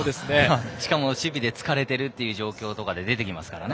しかも守備で疲れている状況とかで、出てきますからね。